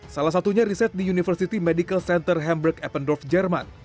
salah satunya riset di university medical center hamburg ependorf jerman